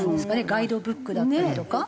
ガイドブックだったりとか。